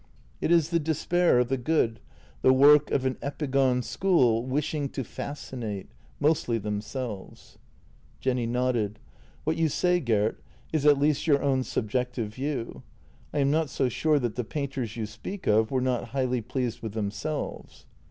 It is the despair of the good, the work of an epigon school wishing to fascinate — mostly themselves." Jenny nodded. " What you say, Gert, is at least your own subjective view. I am not so sure that the painters you speak of were not highly pleased with themselves."